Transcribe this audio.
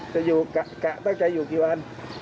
จะอยู่ตั้งแต่อยู่กี่วัน